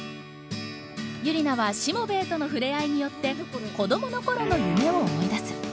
ユリナはしもべえとの触れ合いによって子どもの頃の夢を思い出す。